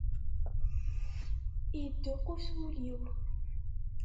Yedduqus wul-iw.